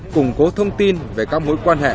củng cố thông tin về các mũi quan hệ